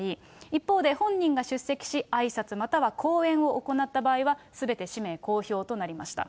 一方で、本人が出席しあいさつまたは講演を行った場合はすべて氏名公表となりました。